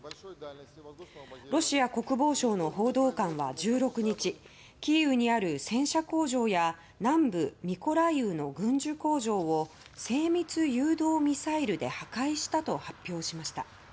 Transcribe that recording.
ロシア国防省の報道官は１６日キーウにある戦車工場や南部ミコライウの軍需工場を精密誘導ミサイルで破壊したと発表しました。